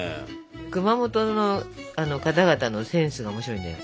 熊本の方々のセンスが面白いんだよ。